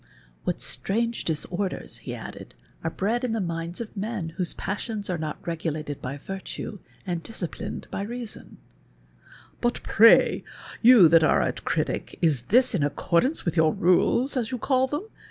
What strange dis orders, he added, are bred in the minds of men whose passions are not regulated by virtue, and dis ciplined by reason, " But ])ray, you that are a critic, is this in accordance with your rules, as you call them